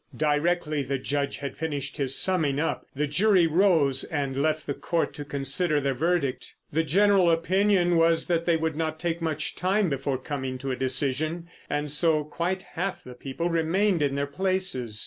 Directly the Judge had finished his summing up, the jury rose and left the Court to consider their verdict. The general opinion was that they would not take much time before coming to a decision, and so quite half the people remained in their places.